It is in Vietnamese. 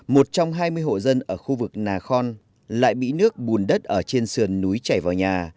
một trong hai mươi hộ dân ở khu vực nà khon lại bị nước bùn đất ở trên sườn núi chảy vào nhà